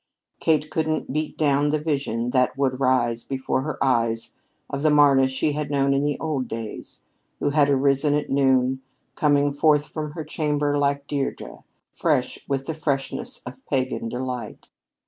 Kate couldn't beat down the vision that would rise before her eyes of the Marna she had known in the old days, who had arisen at noon, coming forth from her chamber like Deirdre, fresh with the freshness of pagan delight.